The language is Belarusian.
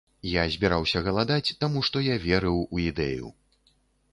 Я збіраўся галадаць, таму што я верыў у ідэю.